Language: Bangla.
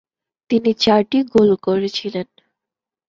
তিনি চারটি গোল করেছিলেন।